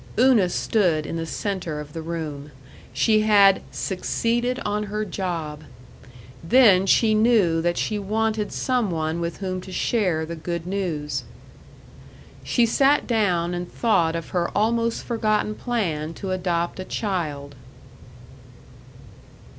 Una stood in the center of the room. She had "succeeded on her job." Then she knew that she wanted some one with whom to share the good news. She sat down and thought of her almost forgotten plan to adopt a child.